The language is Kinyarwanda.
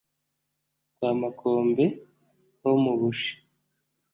kwa makombe ho mu bushi